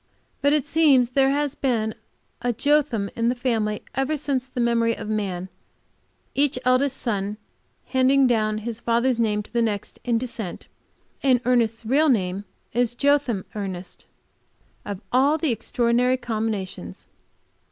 But it seems there has been a Jotham in the family ever since the memory of man, each eldest son handing down his father's name to the next in descent, and Ernest's real name is Jotham Ernest of all the extraordinary combinations!